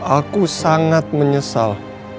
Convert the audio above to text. aku sangat menyesal